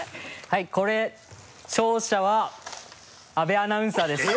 はいこれ勝者は阿部アナウンサーです。